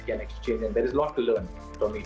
dan ada banyak yang harus kita pelajari dari satu sama lain